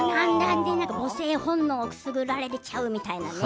母性本能をくすぐられちゃうみたいな。